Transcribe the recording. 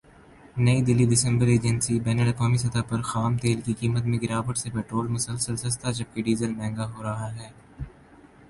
نئی دہلی دسمبرایجنسی بین الاقوامی سطح پر خام تیل کی قیمت میں گراوٹ سے پٹرول مسلسل سستا جبکہ ڈیزل مہنگا ہو رہا ہے